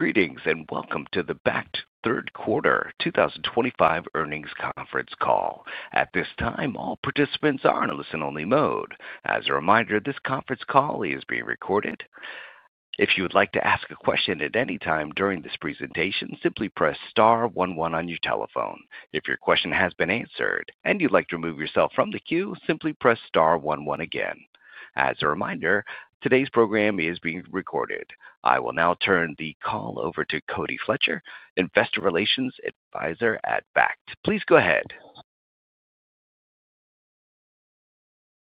Greetings and welcome to the Bakkt Third Quarter 2025 earnings conference call. At this time, all participants are in a listen-only mode. As a reminder, this conference call is being recorded. If you would like to ask a question at any time during this presentation, simply press star 11 on your telephone. If your question has been answered and you'd like to remove yourself from the queue, simply press star 11 again. As a reminder, today's program is being recorded. I will now turn the call over to Cody Fletcher, Investor Relations Advisor at Bakkt. Please go ahead.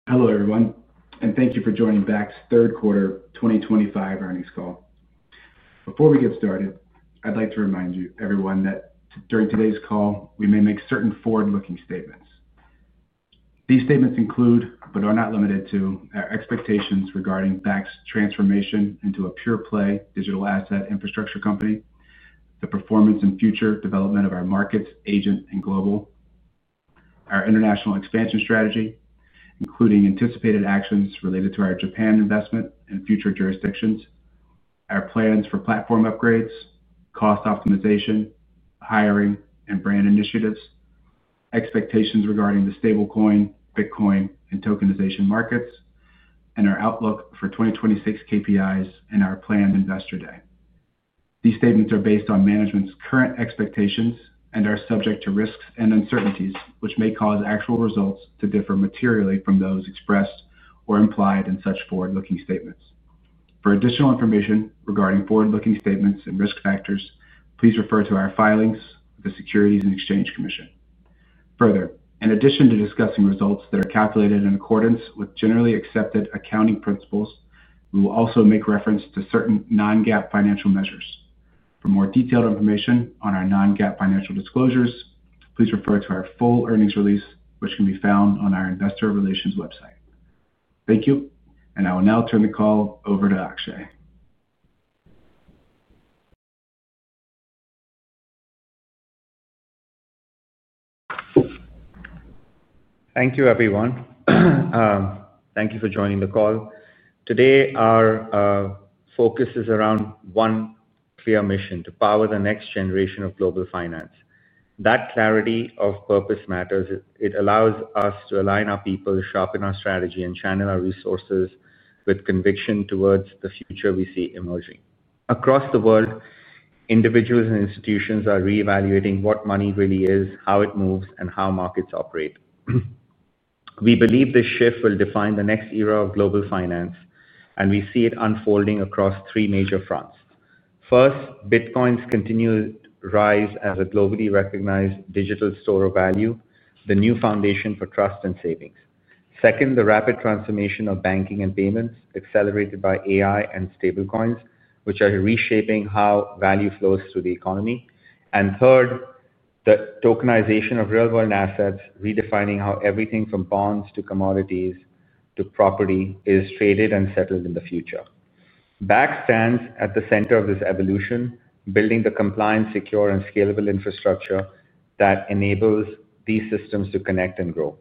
Hello everyone, and thank you for joining Bakkt's Third Quarter 2025 earnings call. Before we get started, I'd like to remind everyone that during today's call, we may make certain forward-looking statements. These statements include, but are not limited to, our expectations regarding Bakkt's transformation into a pure-play digital asset infrastructure company, the performance and future development of our markets, agent, and global, our international expansion strategy, including anticipated actions related to our Japan investment and future jurisdictions, our plans for platform upgrades, cost optimization, hiring and brand initiatives, expectations regarding the stablecoin, Bitcoin, and tokenization markets, and our outlook for 2026 KPIs and our planned investor day. These statements are based on management's current expectations and are subject to risks and uncertainties, which may cause actual results to differ materially from those expressed or implied in such forward-looking statements. For additional information regarding forward-looking statements and risk factors, please refer to our filings with the Securities and Exchange Commission. Further, in addition to discussing results that are calculated in accordance with generally accepted accounting principles, we will also make reference to certain non-GAAP financial measures. For more detailed information on our non-GAAP financial disclosures, please refer to our full earnings release, which can be found on our Investor Relations website. Thank you, and I will now turn the call over to Akshay. Thank you, everyone. Thank you for joining the call. Today, our focus is around one clear mission: to power the next generation of global finance. That clarity of purpose matters. It allows us to align our people, sharpen our strategy, and channel our resources with conviction towards the future we see emerging. Across the world, individuals and institutions are reevaluating what money really is, how it moves, and how markets operate. We believe this shift will define the next era of global finance, and we see it unfolding across three major fronts. First, Bitcoin's continued rise as a globally recognized digital store of value, the new foundation for trust and savings. Second, the rapid transformation of banking and payments, accelerated by AI and stablecoins, which are reshaping how value flows through the economy. Third, the tokenization of real-world assets, redefining how everything from bonds to commodities to property is traded and settled in the future. Bakkt stands at the center of this evolution, building the compliant, secure, and scalable infrastructure that enables these systems to connect and grow.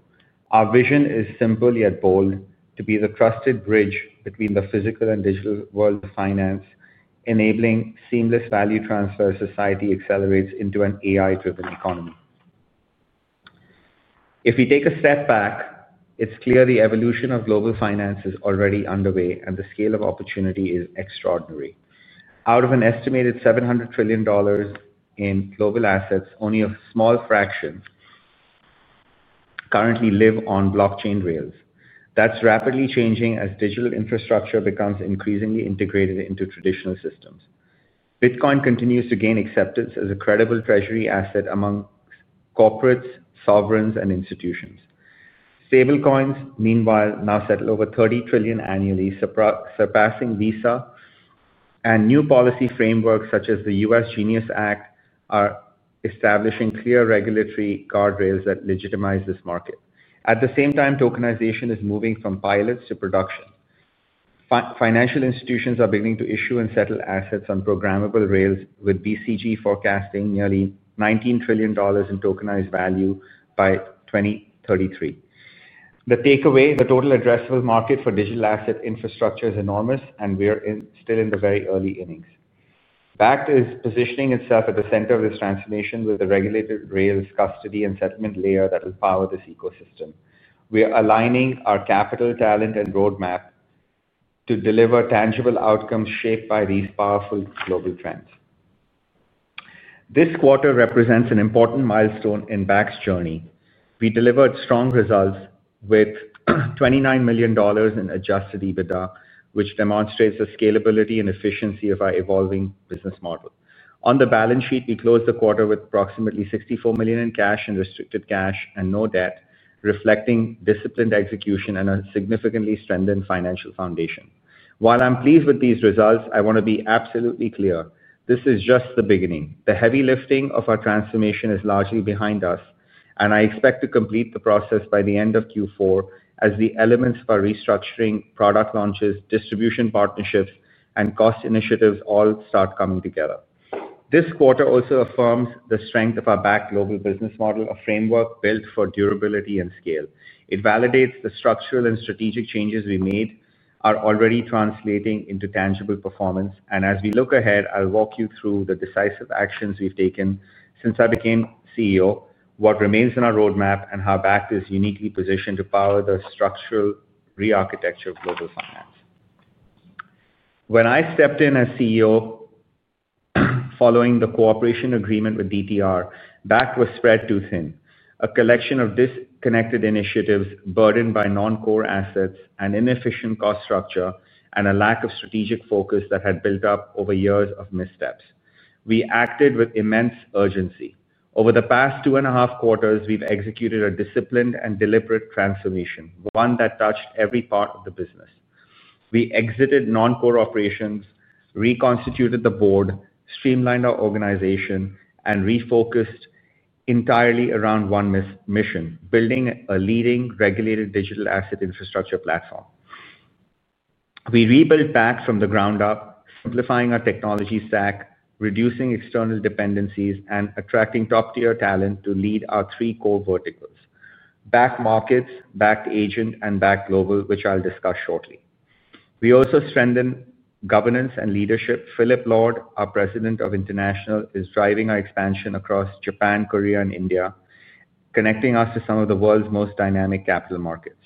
Our vision is simple yet bold: to be the trusted bridge between the physical and digital world of finance, enabling seamless value transfer as society accelerates into an AI-driven economy. If we take a step back, it's clear the evolution of global finance is already underway, and the scale of opportunity is extraordinary. Out of an estimated $700 trillion in global assets, only a small fraction currently live on blockchain rails. That's rapidly changing as digital infrastructure becomes increasingly integrated into traditional systems. Bitcoin continues to gain acceptance as a credible treasury asset among corporates, sovereigns, and institutions. Stablecoins, meanwhile, now settle over $30 trillion annually, surpassing Visa, and new policy frameworks such as the US Genius Act are establishing clear regulatory guardrails that legitimize this market. At the same time, tokenization is moving from pilots to production. Financial institutions are beginning to issue and settle assets on programmable rails, with BCG forecasting nearly $19 trillion in tokenized value by 2033. The takeaway: the total addressable market for digital asset infrastructure is enormous, and we're still in the very early innings. Bakkt is positioning itself at the center of this transformation with the regulated rails, custody, and settlement layer that will power this ecosystem. We're aligning our capital, talent, and roadmap to deliver tangible outcomes shaped by these powerful global trends. This quarter represents an important milestone in Bakkt's journey. We delivered strong results with $29 million in adjusted EBITDA, which demonstrates the scalability and efficiency of our evolving business model. On the balance sheet, we closed the quarter with approximately $64 million in cash and restricted cash and no debt, reflecting disciplined execution and a significantly strengthened financial foundation. While I'm pleased with these results, I want to be absolutely clear: this is just the beginning. The heavy lifting of our transformation is largely behind us, and I expect to complete the process by the end of Q4 as the elements of our restructuring, product launches, distribution partnerships, and cost initiatives all start coming together. This quarter also affirms the strength of our Bakkt Global business model, a framework built for durability and scale. It validates the structural and strategic changes we made are already translating into tangible performance. As we look ahead, I'll walk you through the decisive actions we've taken since I became CEO, what remains in our roadmap, and how Bakkt is uniquely positioned to power the structural re-architecture of global finance. When I stepped in as CEO, following the cooperation agreement with DTR, Bakkt was spread too thin. A collection of disconnected initiatives, burdened by non-core assets, an inefficient cost structure, and a lack of strategic focus that had built up over years of missteps. We acted with immense urgency. Over the past two and a half quarters, we've executed a disciplined and deliberate transformation, one that touched every part of the business. We exited non-core operations, reconstituted the board, streamlined our organization, and refocused entirely around one mission: building a leading regulated digital asset infrastructure platform. We rebuilt Bakkt from the ground up, simplifying our technology stack, reducing external dependencies, and attracting top-tier talent to lead our three core verticals: Bakkt Markets, Bakkt Agent, and Bakkt Global, which I'll discuss shortly. We also strengthened governance and leadership. Philip Lord, our President of International, is driving our expansion across Japan, Korea, and India, connecting us to some of the world's most dynamic capital markets.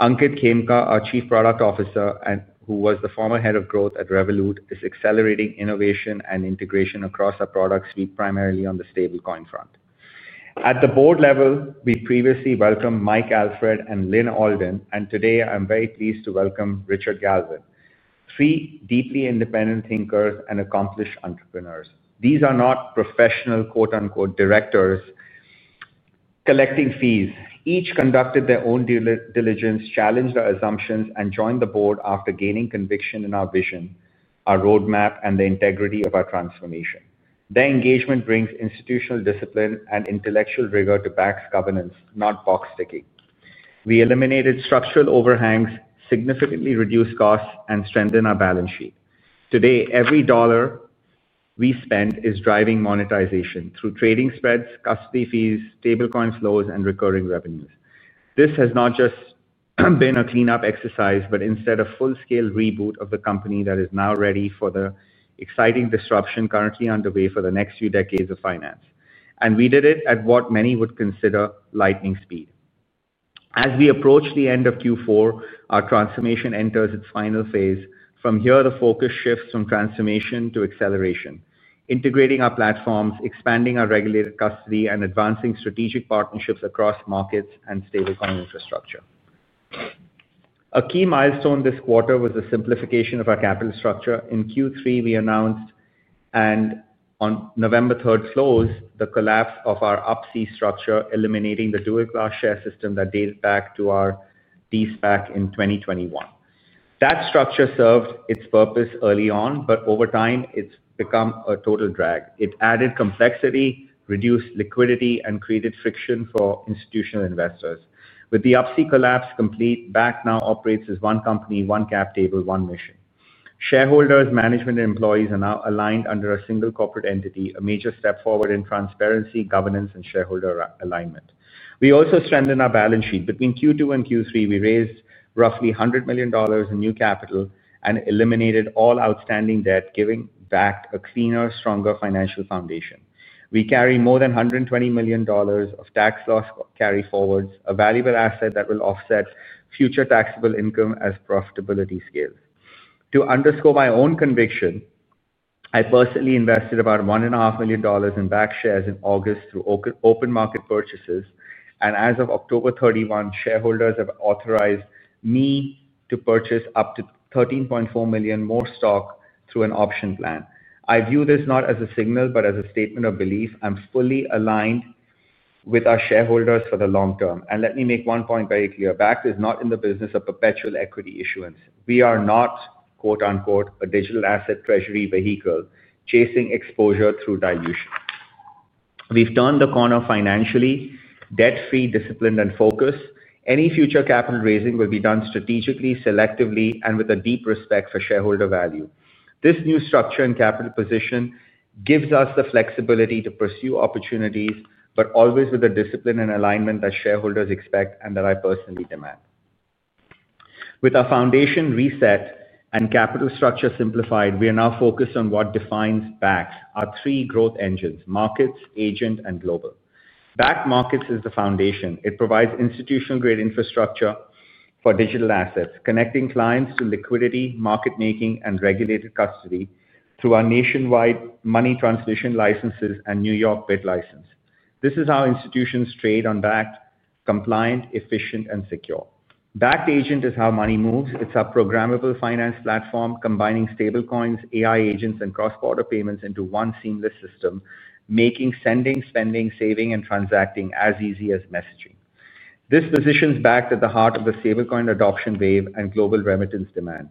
Ankit Khemka, our Chief Product Officer, who was the former head of growth at Revolut, is accelerating innovation and integration across our products, primarily on the stablecoin front. At the board level, we previously welcomed Mike Alfred and Lynn Alden, and today I'm very pleased to welcome Richard Galvin, three deeply independent thinkers and accomplished entrepreneurs. These are not professional "directors" collecting fees. Each conducted their own diligence, challenged our assumptions, and joined the board after gaining conviction in our vision, our roadmap, and the integrity of our transformation. Their engagement brings institutional discipline and intellectual rigor to Bakkt's governance, not box-ticking. We eliminated structural overhangs, significantly reduced costs, and strengthened our balance sheet. Today, every dollar we spend is driving monetization through trading spreads, custody fees, stablecoin flows, and recurring revenues. This has not just been a cleanup exercise, but instead a full-scale reboot of the company that is now ready for the exciting disruption currently underway for the next few decades of finance. We did it at what many would consider lightning speed. As we approach the end of Q4, our transformation enters its final phase. From here, the focus shifts from transformation to acceleration, integrating our platforms, expanding our regulated custody, and advancing strategic partnerships across markets and stablecoin infrastructure. A key milestone this quarter was the simplification of our capital structure. In Q3, we announced, and on November 3rd, closed the collapse of our UP-C structure, eliminating the dual-class share system that dated back to our de-SPAC in 2021. That structure served its purpose early on, but over time, it's become a total drag. It added complexity, reduced liquidity, and created friction for institutional investors. With the UP-C collapse complete, Bakkt now operates as one company, one cap table, one mission. Shareholders, management, and employees are now aligned under a single corporate entity, a major step forward in transparency, governance, and shareholder alignment. We also strengthened our balance sheet. Between Q2 and Q3, we raised roughly $100 million in new capital and eliminated all outstanding debt, giving Bakkt a cleaner, stronger financial foundation. We carry more than $120 million of tax loss carry forwards, a valuable asset that will offset future taxable income as profitability scales. To underscore my own conviction, I personally invested about $1.5 million in Bakkt shares in August through open market purchases, and as of October 31, shareholders have authorized me to purchase up to $13.4 million more stock through an option plan. I view this not as a signal, but as a statement of belief. I'm fully aligned with our shareholders for the long term. Let me make one point very clear: Bakkt is not in the business of perpetual equity issuance. We are not "a digital asset treasury vehicle chasing exposure through dilution." We've turned the corner financially, debt-free, disciplined, and focused. Any future capital raising will be done strategically, selectively, and with a deep respect for shareholder value. This new structure and capital position gives us the flexibility to pursue opportunities, but always with the discipline and alignment that shareholders expect and that I personally demand. With our foundation reset and capital structure simplified, we are now focused on what defines Bakkt: our three growth engines, markets, agent, and global. Bakkt Markets is the foundation. It provides institutional-grade infrastructure for digital assets, connecting clients to liquidity, market making, and regulated custody through our nationwide money transmission licenses and New York BitLicense. This is how institutions trade on Bakkt: compliant, efficient, and secure. Bakkt Agent is how money moves. It's a programmable finance platform combining stablecoins, AI agents, and cross-border payments into one seamless system, making sending, spending, saving, and transacting as easy as messaging. This positions Bakkt at the heart of the stablecoin adoption wave and global remittance demand.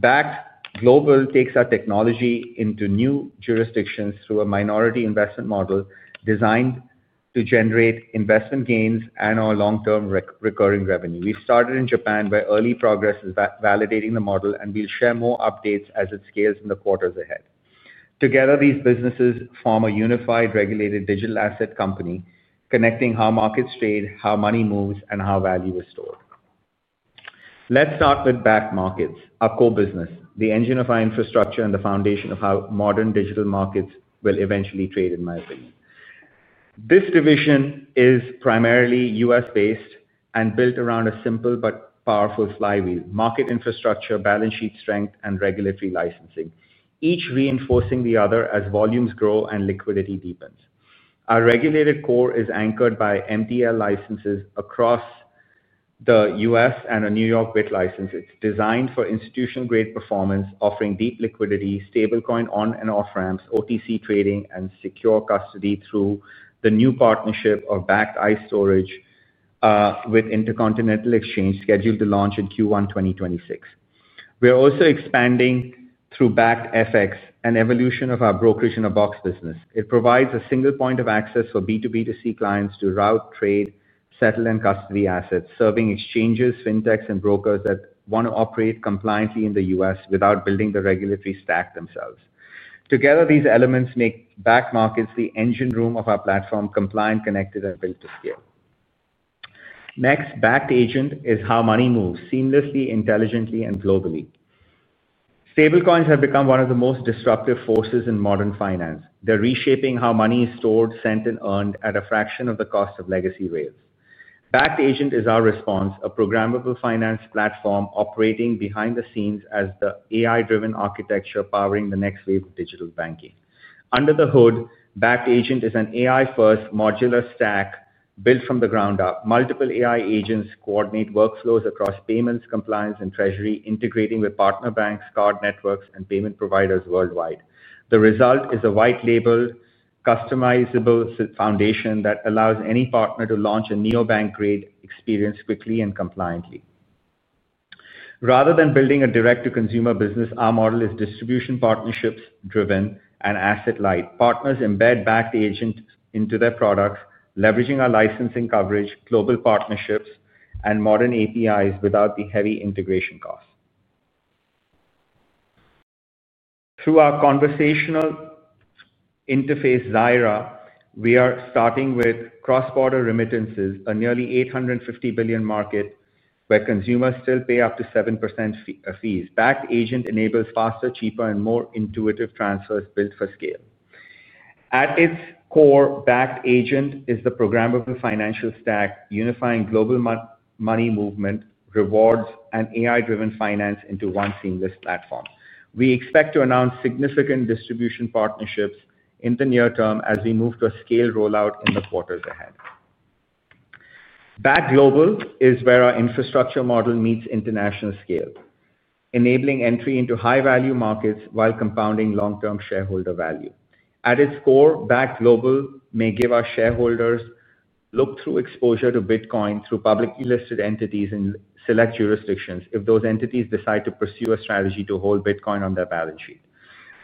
Bakkt Global takes our technology into new jurisdictions through a minority investment model designed to generate investment gains and our long-term recurring revenue. We started in Japan, where early progress is validating the model, and we'll share more updates as it scales in the quarters ahead. Together, these businesses form a unified regulated digital asset company, connecting how markets trade, how money moves, and how value is stored. Let's start with Bakkt Markets, our core business, the engine of our infrastructure and the foundation of how modern digital markets will eventually trade, in my opinion. This division is primarily US-based and built around a simple but powerful flywheel: market infrastructure, balance sheet strength, and regulatory licensing, each reinforcing the other as volumes grow and liquidity deepens. Our regulated core is anchored by MTL licenses across the U.S. and a New York BitLicense. It's designed for institutional-grade performance, offering deep liquidity, stablecoin on and off-ramps, OTC trading, and secure custody through the new partnership of Bakkt ICE Storage with Intercontinental Exchange, scheduled to launch in Q1 2026. We're also expanding through Bakkt FX, an evolution of our brokerage-in-a-box business. It provides a single point of access for B2B2C clients to route, trade, settle, and custody assets, serving exchanges, fintechs, and brokers that want to operate compliantly in the U.S. without building the regulatory stack themselves. Together, these elements make Bakkt Markets the engine room of our platform, compliant, connected, and built to scale. Next, Bakkt Agent is how money moves seamlessly, intelligently, and globally. Stablecoins have become one of the most disruptive forces in modern finance. They're reshaping how money is stored, sent, and earned at a fraction of the cost of legacy rails. Bakkt Agent is our response: a programmable finance platform operating behind the scenes as the AI-driven architecture powering the next wave of digital banking. Under the hood, Bakkt Agent is an AI-first modular stack built from the ground up. Multiple AI agents coordinate workflows across payments, compliance, and treasury, integrating with partner banks, card networks, and payment providers worldwide. The result is a white-labeled, customizable foundation that allows any partner to launch a neobank-grade experience quickly and compliantly. Rather than building a direct-to-consumer business, our model is distribution partnerships-driven and asset-light. Partners embed Bakkt Agent into their products, leveraging our licensing coverage, global partnerships, and modern APIs without the heavy integration costs. Through our conversational interface, Zaira, we are starting with cross-border remittances, a nearly $850 billion market where consumers still pay up to 7% fees. Bakkt Agent enables faster, cheaper, and more intuitive transfers built for scale. At its core, Bakkt Agent is the programmable financial stack, unifying global money movement, rewards, and AI-driven finance into one seamless platform. We expect to announce significant distribution partnerships in the near term as we move to a scale rollout in the quarters ahead. Bakkt Global is where our infrastructure model meets international scale, enabling entry into high-value markets while compounding long-term shareholder value. At its core, Bakkt Global may give our shareholders look-through exposure to Bitcoin through publicly listed entities in select jurisdictions if those entities decide to pursue a strategy to hold Bitcoin on their balance sheet.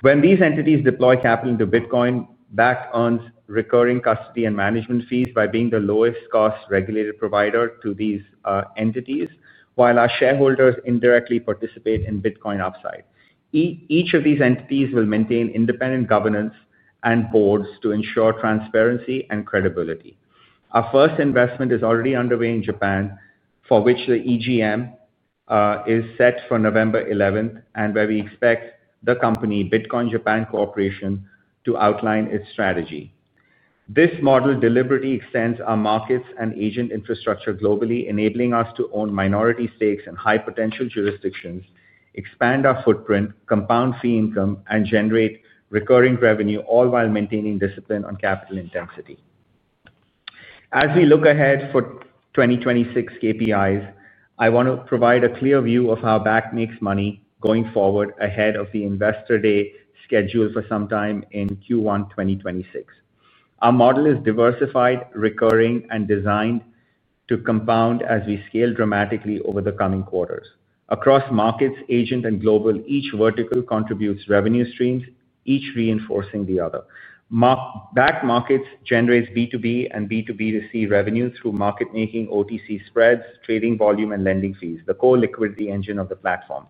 When these entities deploy capital into Bitcoin, Bakkt earns recurring custody and management fees by being the lowest-cost regulated provider to these entities, while our shareholders indirectly participate in Bitcoin upside. Each of these entities will maintain independent governance and boards to ensure transparency and credibility. Our first investment is already underway in Japan, for which the EGM is set for November 11, and where we expect the company, Bitcoin Japan Corporation, to outline its strategy. This model deliberately extends our markets and agent infrastructure globally, enabling us to own minority stakes in high-potential jurisdictions, expand our footprint, compound fee income, and generate recurring revenue, all while maintaining discipline on capital intensity. As we look ahead for 2026 KPIs, I want to provide a clear view of how Bakkt makes money going forward ahead of the investor day scheduled for sometime in Q1 2026. Our model is diversified, recurring, and designed to compound as we scale dramatically over the coming quarters. Across markets, agent, and global, each vertical contributes revenue streams, each reinforcing the other. Bakkt Markets generates B2B and B2B2C revenue through market making, OTC spreads, trading volume, and lending fees, the core liquidity engine of the platform.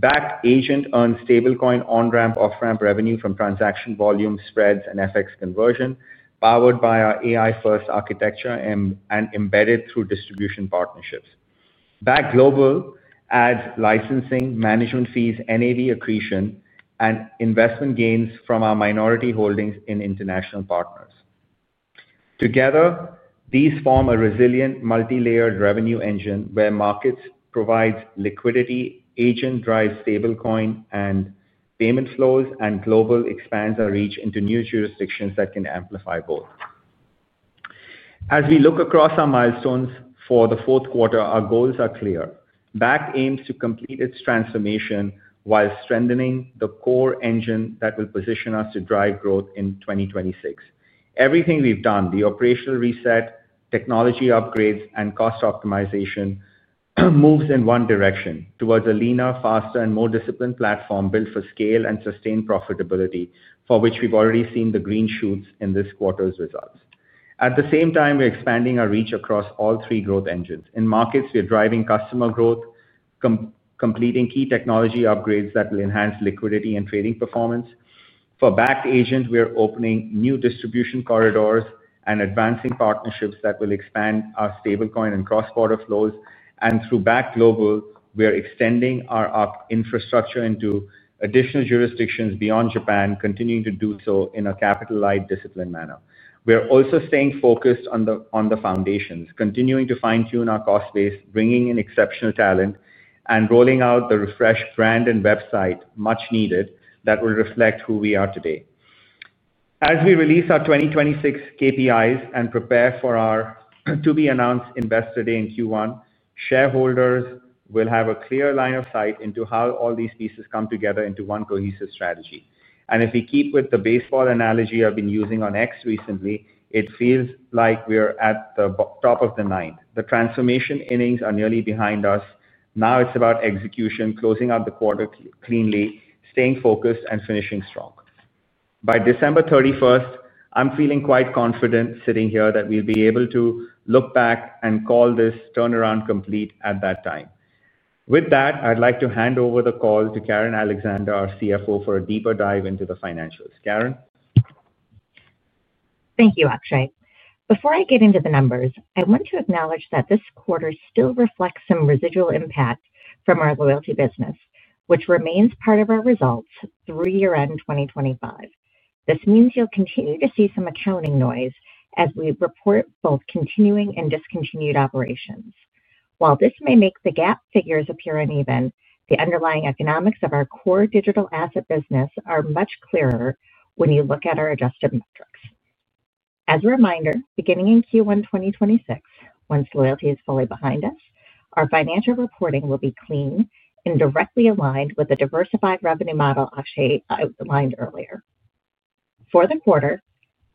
Bakkt Agent earns stablecoin on-ramp, off-ramp revenue from transaction volume, spreads, and FX conversion, powered by our AI-first architecture and embedded through distribution partnerships. Bakkt Global adds licensing, management fees, NAV accretion, and investment gains from our minority holdings in international partners. Together, these form a resilient, multi-layered revenue engine where markets provide liquidity, agent drives stablecoin and payment flows, and global expands our reach into new jurisdictions that can amplify both. As we look across our milestones for the fourth quarter, our goals are clear. Bakkt aims to complete its transformation while strengthening the core engine that will position us to drive growth in 2026. Everything we've done, the operational reset, technology upgrades, and cost optimization, moves in one direction towards a leaner, faster, and more disciplined platform built for scale and sustained profitability, for which we've already seen the green shoots in this quarter's results. At the same time, we're expanding our reach across all three growth engines. In markets, we're driving customer growth, completing key technology upgrades that will enhance liquidity and trading performance. For Bakkt Agent, we're opening new distribution corridors and advancing partnerships that will expand our stablecoin and cross-border flows. Through Bakkt Global, we're extending our infrastructure into additional jurisdictions beyond Japan, continuing to do so in a capital-light, disciplined manner. We're also staying focused on the foundations, continuing to fine-tune our cost base, bringing in exceptional talent, and rolling out the refreshed brand and website, much needed, that will reflect who we are today. As we release our 2026 KPIs and prepare for our to-be-announced investor day in Q1, shareholders will have a clear line of sight into how all these pieces come together into one cohesive strategy. If we keep with the baseball analogy I've been using on X recently, it feels like we're at the top of the nine. The transformation innings are nearly behind us. Now it's about execution, closing out the quarter cleanly, staying focused, and finishing strong. By December 31st, I'm feeling quite confident sitting here that we'll be able to look back and call this turnaround complete at that time. With that, I'd like to hand over the call to Karen Alexander, our CFO, for a deeper dive into the financials. Karen. Thank you, Akshay. Before I get into the numbers, I want to acknowledge that this quarter still reflects some residual impact from our loyalty business, which remains part of our results through year-end 2025. This means you'll continue to see some accounting noise as we report both continuing and discontinued operations. While this may make the GAAP figures appear uneven, the underlying economics of our core digital asset business are much clearer when you look at our adjusted metrics. As a reminder, beginning in Q1 2026, once loyalty is fully behind us, our financial reporting will be clean and directly aligned with the diversified revenue model Akshay outlined earlier. For the quarter,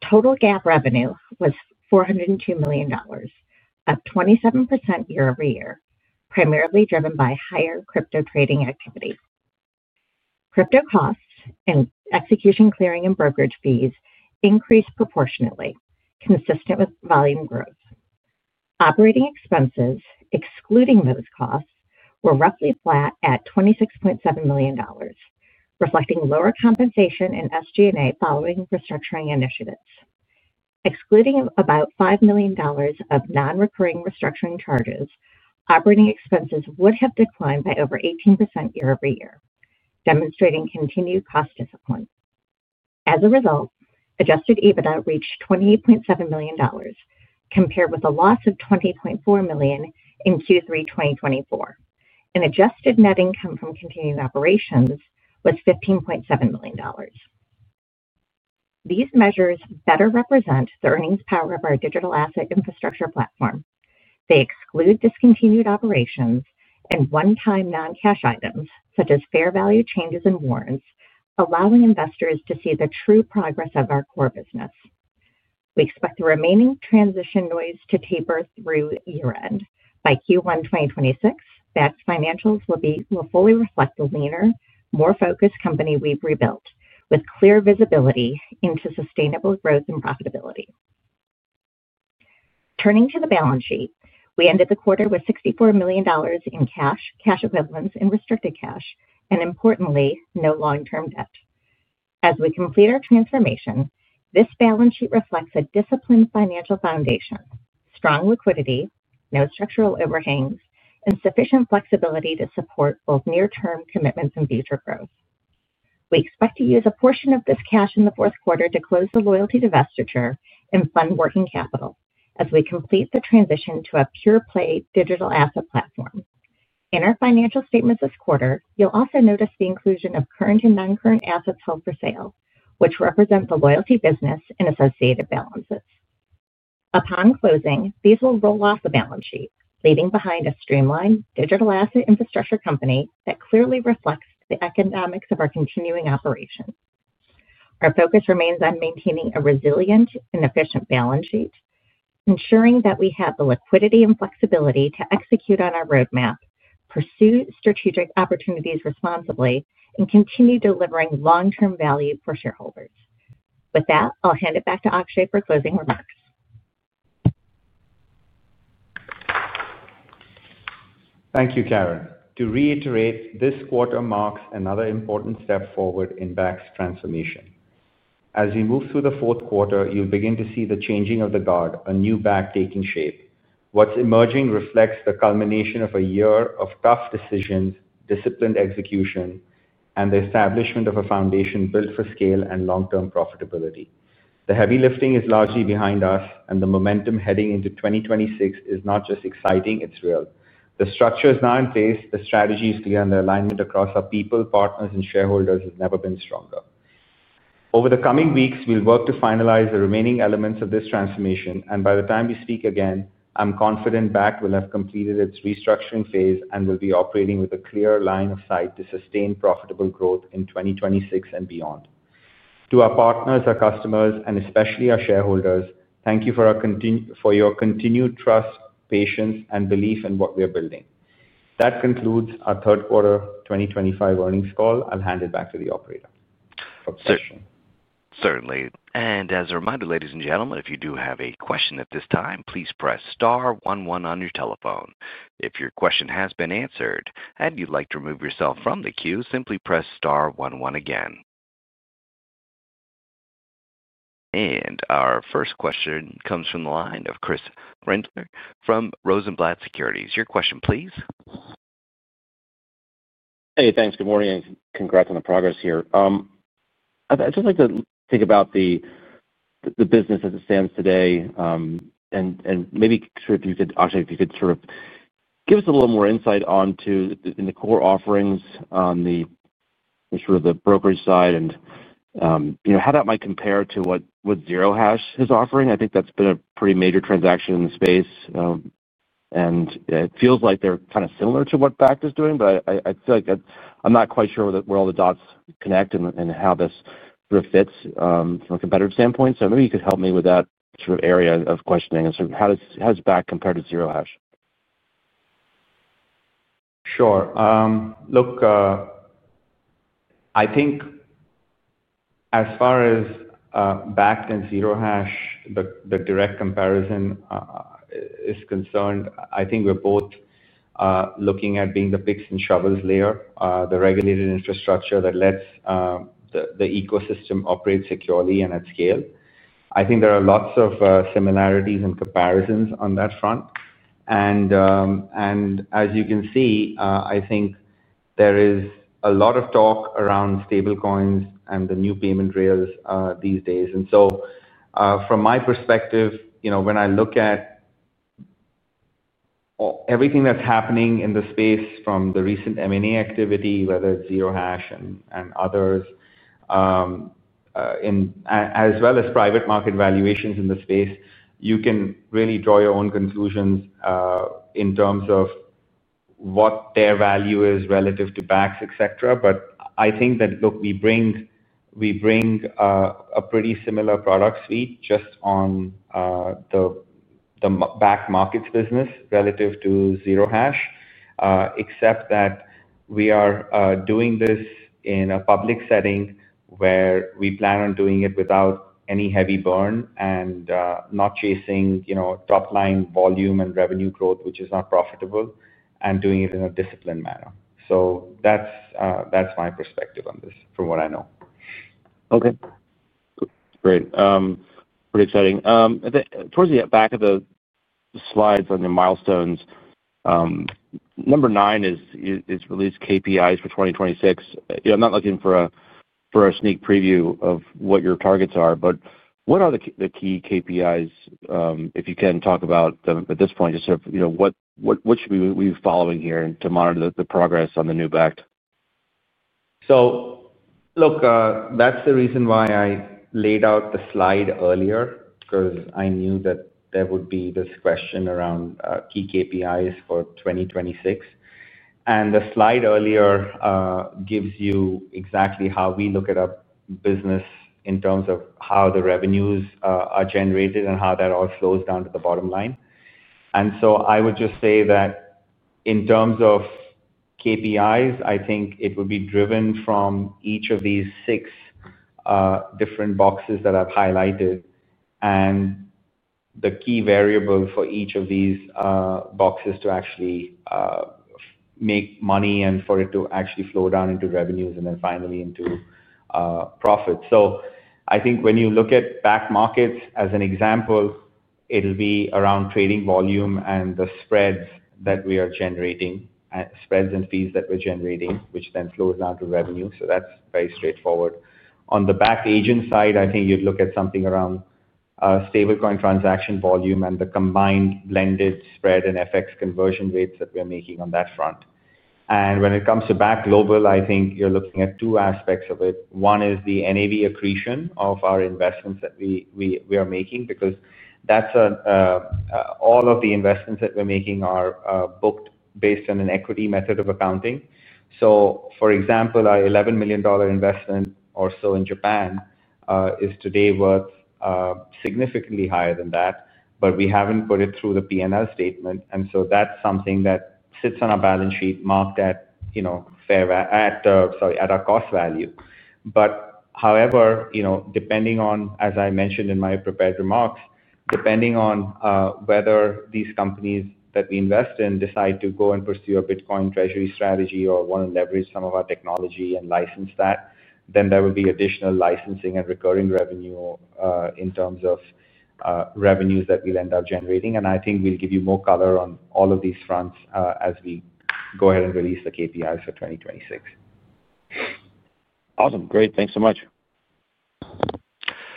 total GAAP revenue was $402 million, up 27% year over year, primarily driven by higher crypto trading activity. Crypto costs and execution clearing and brokerage fees increased proportionately, consistent with volume growth. Operating expenses, excluding those costs, were roughly flat at $26.7 million, reflecting lower compensation and SG&A following restructuring initiatives. Excluding about $5 million of non-recurring restructuring charges, operating expenses would have declined by over 18% year over year, demonstrating continued cost discipline. As a result, adjusted EBITDA reached $28.7 million, compared with a loss of $20.4 million in Q3 2024. Adjusted net income from continued operations was $15.7 million. These measures better represent the earnings power of our digital asset infrastructure platform. They exclude discontinued operations and one-time non-cash items, such as fair value changes and warrants, allowing investors to see the true progress of our core business. We expect the remaining transition noise to taper through year-end. By Q1 2026, Bakkt's financials will fully reflect the leaner, more focused company we've rebuilt, with clear visibility into sustainable growth and profitability. Turning to the balance sheet, we ended the quarter with $64 million in cash, cash equivalents, and restricted cash, and importantly, no long-term debt. As we complete our transformation, this balance sheet reflects a disciplined financial foundation, strong liquidity, no structural overhangs, and sufficient flexibility to support both near-term commitments and future growth. We expect to use a portion of this cash in the fourth quarter to close the loyalty divestiture and fund working capital as we complete the transition to a pure-play digital asset platform. In our financial statements this quarter, you'll also notice the inclusion of current and non-current assets held for sale, which represent the loyalty business and associated balances. Upon closing, these will roll off the balance sheet, leaving behind a streamlined digital asset infrastructure company that clearly reflects the economics of our continuing operations. Our focus remains on maintaining a resilient and efficient balance sheet, ensuring that we have the liquidity and flexibility to execute on our roadmap, pursue strategic opportunities responsibly, and continue delivering long-term value for shareholders. With that, I'll hand it back to Akshay for closing remarks. Thank you, Karen. To reiterate, this quarter marks another important step forward in Bakkt's transformation. As we move through the fourth quarter, you'll begin to see the changing of the guard, a new Bakkt taking shape. What's emerging reflects the culmination of a year of tough decisions, disciplined execution, and the establishment of a foundation built for scale and long-term profitability. The heavy lifting is largely behind us, and the momentum heading into 2026 is not just exciting, it's real. The structure is now in place, the strategy is clear, and the alignment across our people, partners, and shareholders has never been stronger. Over the coming weeks, we'll work to finalize the remaining elements of this transformation, and by the time we speak again, I'm confident Bakkt will have completed its restructuring phase and will be operating with a clear line of sight to sustain profitable growth in 2026 and beyond. To our partners, our customers, and especially our shareholders, thank you for your continued trust, patience, and belief in what we are building. That concludes our third quarter 2025 earnings call. I'll hand it back to the operator. Certainly. As a reminder, ladies and gentlemen, if you do have a question at this time, please press star one one on your telephone. If your question has been answered and you'd like to remove yourself from the queue, simply press star one one again. Our first question comes from the line of Chris Brendler from Rosenblatt Securities. Your question, please. Hey, thanks. Good morning and congrats on the progress here. I'd just like to think about the business as it stands today and maybe sort of, Akshay, if you could sort of give us a little more insight onto the core offerings on the brokerage side and how that might compare to what Zero Hash is offering. I think that's been a pretty major transaction in the space, and it feels like they're kind of similar to what Bakkt is doing, but I feel like I'm not quite sure where all the dots connect and how this sort of fits from a competitive standpoint. Maybe you could help me with that sort of area of questioning and sort of how does Bakkt compare to Zero Hash? Sure. Look, I think as far as Bakkt and Zero Hash, the direct comparison is concerned, I think we're both looking at being the picks and shovels layer, the regulated infrastructure that lets the ecosystem operate securely and at scale. I think there are lots of similarities and comparisons on that front. As you can see, I think there is a lot of talk around stablecoins and the new payment rails these days. From my perspective, when I look at everything that's happening in the space from the recent M&A activity, whether it's Zero Hash and others, as well as private market valuations in the space, you can really draw your own conclusions in terms of what their value is relative to Bakkt, etc. I think that, look, we bring a pretty similar product suite just on the Bakkt Markets business relative to Zero Hash, except that we are doing this in a public setting where we plan on doing it without any heavy burn and not chasing top-line volume and revenue growth, which is not profitable, and doing it in a disciplined manner. That's my perspective on this, from what I know. Okay. Great. Pretty exciting. Towards the back of the slides on your milestones, number nine is released KPIs for 2026. I'm not looking for a sneak preview of what your targets are, but what are the key KPIs, if you can talk about them at this point, just sort of what should we be following here to monitor the progress on the new Bakkt? Look, that's the reason why I laid out the slide earlier, because I knew that there would be this question around key KPIs for 2026. The slide earlier gives you exactly how we look at our business in terms of how the revenues are generated and how that all flows down to the bottom line. I would just say that in terms of KPIs, I think it would be driven from each of these six different boxes that I've highlighted and the key variable for each of these boxes to actually make money and for it to actually flow down into revenues and then finally into profits. I think when you look at Bakkt Markets as an example, it'll be around trading volume and the spreads that we are generating, spreads and fees that we're generating, which then flows down to revenue. That is very straightforward. On the Bakkt Agent side, I think you'd look at something around stablecoin transaction volume and the combined blended spread and FX conversion rates that we're making on that front. When it comes to Bakkt Global, I think you're looking at two aspects of it. One is the NAV accretion of our investments that we are making, because all of the investments that we're making are booked based on an equity method of accounting. For example, our $11 million investment or so in Japan is today worth significantly higher than that, but we haven't put it through the P&L statement. That's something that sits on our balance sheet marked at fair value, sorry, at our cost value. However, depending on, as I mentioned in my prepared remarks, depending on whether these companies that we invest in decide to go and pursue a Bitcoin treasury strategy or want to leverage some of our technology and license that, then there will be additional licensing and recurring revenue in terms of revenues that we'll end up generating. I think we'll give you more color on all of these fronts as we go ahead and release the KPIs for 2026. Awesome. Great. Thanks so much.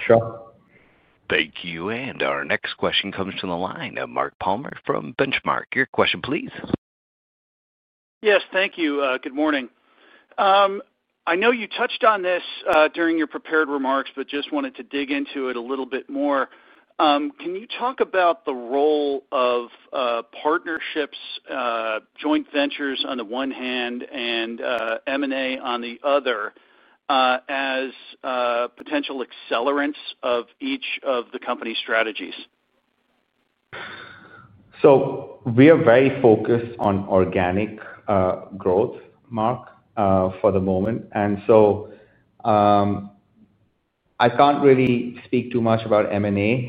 Sure. Thank you. Our next question comes from the line of Mark Palmer from Benchmark. Your question, please. Yes, thank you. Good morning. I know you touched on this during your prepared remarks, but just wanted to dig into it a little bit more. Can you talk about the role of partnerships, joint ventures on the one hand, and M&A on the other as potential accelerants of each of the company strategies? We are very focused on organic growth, Mark, for the moment. I can't really speak too much about M&A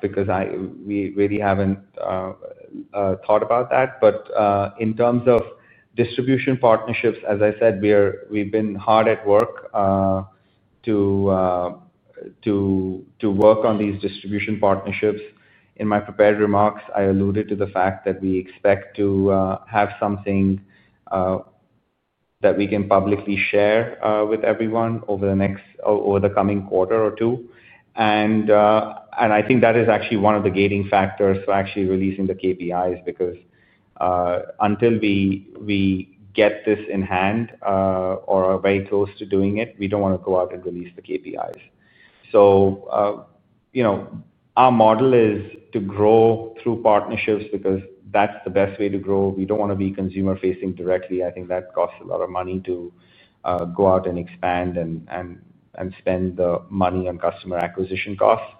because we really haven't thought about that. In terms of distribution partnerships, as I said, we've been hard at work to work on these distribution partnerships. In my prepared remarks, I alluded to the fact that we expect to have something that we can publicly share with everyone over the coming quarter or two. I think that is actually one of the gating factors for actually releasing the KPIs, because until we get this in hand or are very close to doing it, we do not want to go out and release the KPIs. Our model is to grow through partnerships because that is the best way to grow. We do not want to be consumer-facing directly. I think that costs a lot of money to go out and expand and spend the money on customer acquisition costs.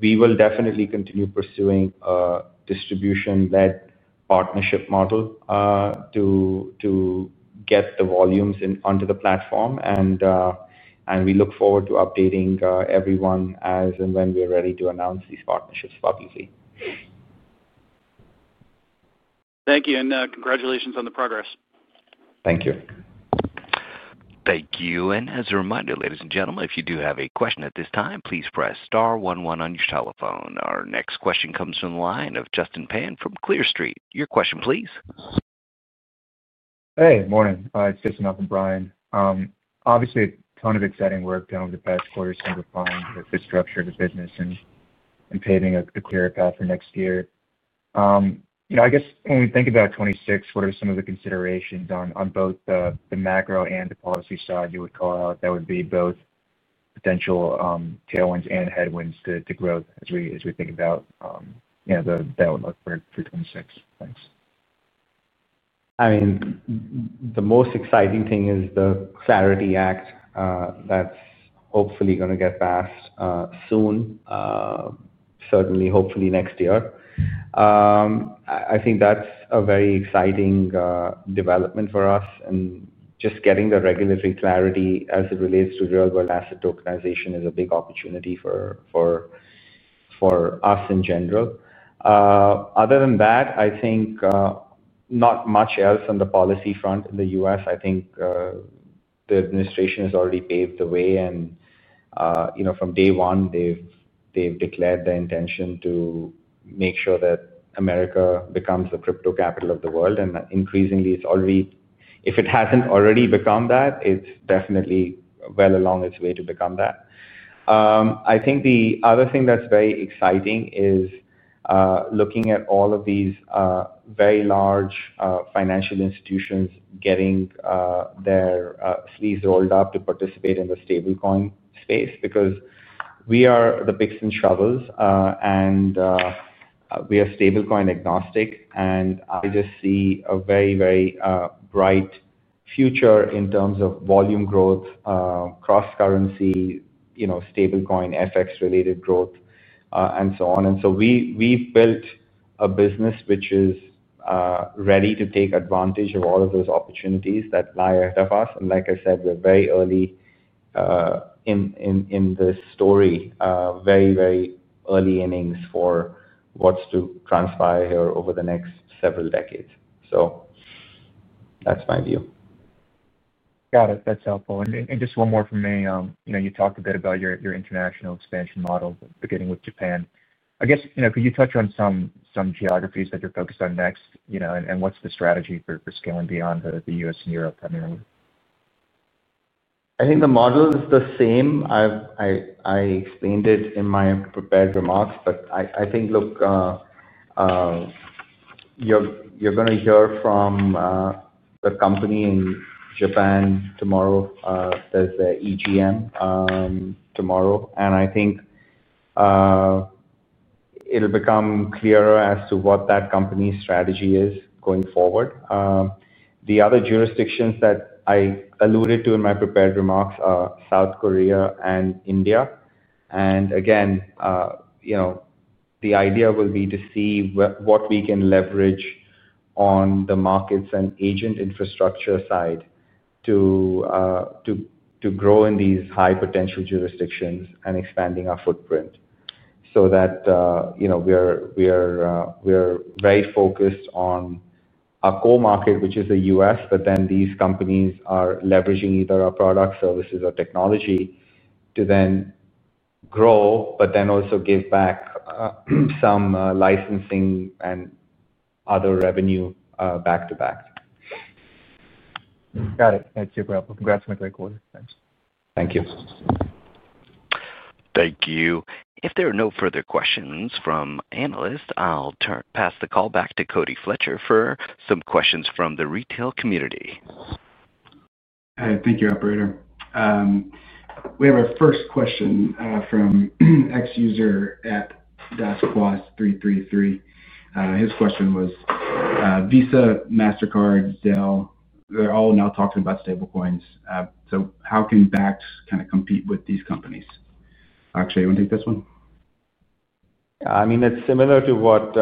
We will definitely continue pursuing a distribution-led partnership model to get the volumes onto the platform. We look forward to updating everyone as and when we are ready to announce these partnerships publicly. Thank you. Congratulations on the progress. Thank you. Thank you. As a reminder, ladies and gentlemen, if you do have a question at this time, please press star one one on your telephone. Our next question comes from the line of Justin Pan from Clear Street. Your question, please. Hey, morning. It's Jason Alton Bryan. Obviously, a ton of exciting work done over the past quarter since we're finally at the structure of the business and paving a clearer path for next year. I guess when we think about 2026, what are some of the considerations on both the macro and the policy side you would call out that would be both potential tailwinds and headwinds to growth as we think about the download for 2026? Thanks. I mean, the most exciting thing is the Clarity Act that's hopefully going to get passed soon, certainly, hopefully next year. I think that's a very exciting development for us. Just getting the regulatory clarity as it relates to real-world asset tokenization is a big opportunity for us in general. Other than that, I think not much else on the policy front in the U.S. I think the administration has already paved the way. From day one, they've declared the intention to make sure that America becomes the crypto capital of the world. Increasingly, if it has not already become that, it is definitely well along its way to become that. I think the other thing that's very exciting is looking at all of these very large financial institutions getting their sleeves rolled up to participate in the stablecoin space, because we are the picks and shovels, and we are stablecoin agnostic. I just see a very, very bright future in terms of volume growth, cross-currency, stablecoin, FX-related growth, and so on. We have built a business which is ready to take advantage of all of those opportunities that lie ahead of us. Like I said, we are very early in the story, very, very early innings for what is to transpire here over the next several decades. That is my view. Got it. That is helpful. Just one more from me. You talked a bit about your international expansion model, beginning with Japan. I guess could you touch on some geographies that you are focused on next, and what is the strategy for scaling beyond the U.S. and Europe primarily? I think the model is the same. I explained it in my prepared remarks, but I think, look, you are going to hear from the company in Japan tomorrow. There is the EGM tomorrow. I think it'll become clearer as to what that company's strategy is going forward. The other jurisdictions that I alluded to in my prepared remarks are South Korea and India. Again, the idea will be to see what we can leverage on the markets and agent infrastructure side to grow in these high-potential jurisdictions and expanding our footprint so that we are very focused on our core market, which is the US, but then these companies are leveraging either our products, services, or technology to then grow, but then also give back some licensing and other revenue back to Bakkt. Got it. That's super helpful. Congrats on the great quarter. Thanks. Thank you. Thank you. If there are no further questions from analysts, I'll pass the call back to Cody Fletcher for some questions from the retail community. Hi. Thank you, Operator. We have our first question from xuser@daskwas333. His question was, "Visa, Mastercard, Zelle, they're all now talking about stablecoins. So how can Bakkt kind of compete with these companies?" Akshay, you want to take this one? I mean, it's similar to what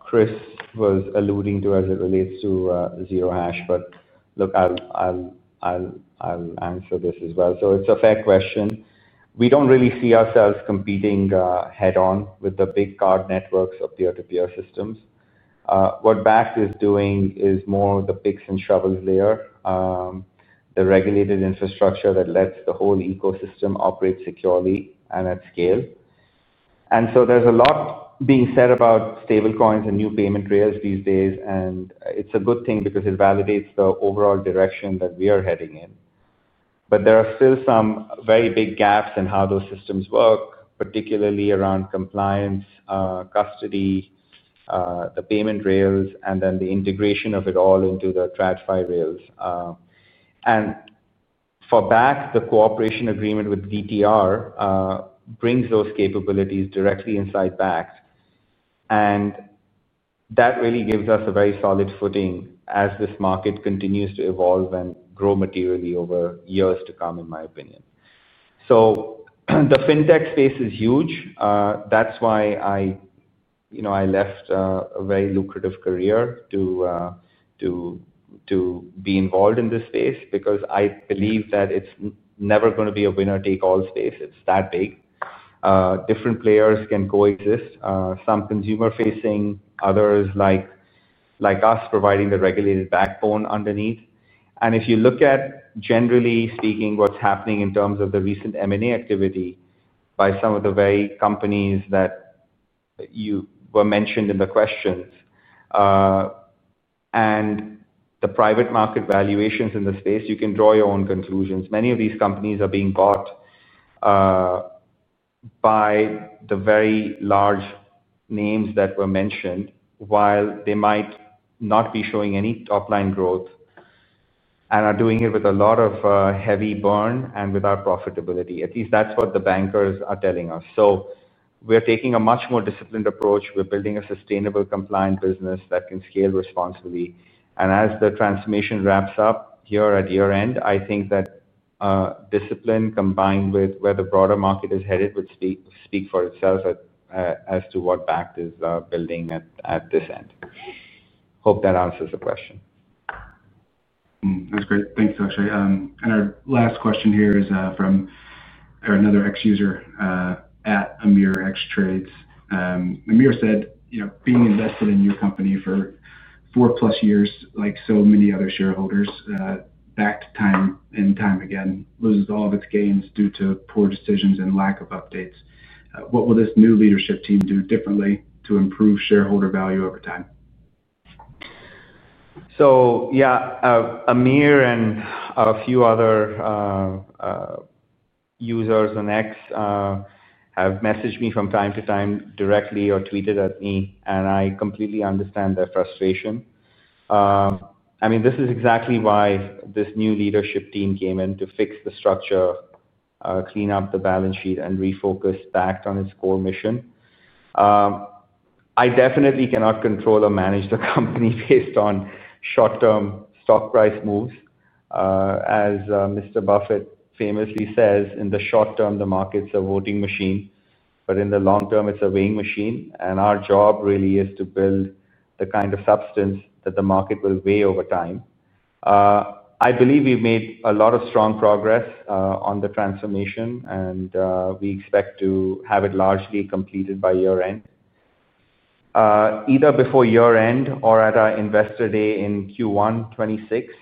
Chris was alluding to as it relates to Zero Hash, but look, I'll answer this as well. It's a fair question. We don't really see ourselves competing head-on with the big card networks or peer-to-peer systems. What Bakkt is doing is more the picks and shovels layer, the regulated infrastructure that lets the whole ecosystem operate securely and at scale. There is a lot being said about stablecoins and new payment rails these days. It's a good thing because it validates the overall direction that we are heading in. There are still some very big gaps in how those systems work, particularly around compliance, custody, the payment rails, and then the integration of it all into the TradFi rails. For Bakkt, the cooperation agreement with DTR brings those capabilities directly inside Bakkt. That really gives us a very solid footing as this market continues to evolve and grow materially over years to come, in my opinion. The fintech space is huge. That's why I left a very lucrative career to be involved in this space, because I believe that it's never going to be a winner-take-all space. It's that big. Different players can coexist, some consumer-facing, others like us providing the regulated backbone underneath. If you look at, generally speaking, what's happening in terms of the recent M&A activity by some of the very companies that were mentioned in the questions and the private market valuations in the space, you can draw your own conclusions. Many of these companies are being bought by the very large names that were mentioned, while they might not be showing any top-line growth and are doing it with a lot of heavy burn and without profitability. At least that's what the bankers are telling us. We are taking a much more disciplined approach. We are building a sustainable, compliant business that can scale responsibly. As the transformation wraps up here at year-end, I think that discipline combined with where the broader market is headed would speak for itself as to what Bakkt is building at this end. Hope that answers the question. That's great. Thanks, Akshay. Our last question here is from another X user at Amir X Trades. Amir said, "Being invested in your company for four-plus years, like so many other shareholders, Bakkt time and time again loses all of its gains due to poor decisions and lack of updates. What will this new leadership team do differently to improve shareholder value over time?" Yeah, Amir and a few other users on X have messaged me from time to time directly or tweeted at me. I completely understand their frustration. I mean, this is exactly why this new leadership team came in to fix the structure, clean up the balance sheet, and refocus Bakkt on its core mission. I definitely cannot control or manage the company based on short-term stock price moves. As Mr. Buffett famously says, "In the short term, the market's a voting machine, but in the long term, it's a weighing machine." Our job really is to build the kind of substance that the market will weigh over time. I believe we've made a lot of strong progress on the transformation, and we expect to have it largely completed by year-end. Either before year-end or at our investor day in Q1 2026,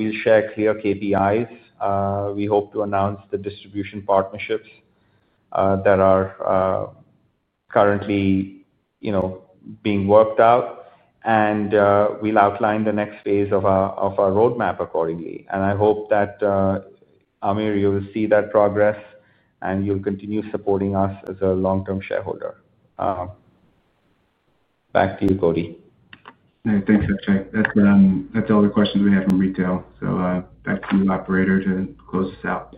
we'll share clear KPIs. We hope to announce the distribution partnerships that are currently being worked out. We'll outline the next phase of our roadmap accordingly. I hope that, Amir, you will see that progress and you'll continue supporting us as a long-term shareholder. Back to you, Cody. Thanks, Akshay. That's all the questions we had from retail. Back to you, Operator, to close this out.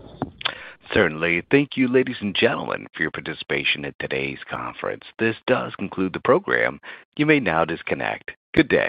Certainly. Thank you, ladies and gentlemen, for your participation in today's conference. This does conclude the program. You may now disconnect. Good day.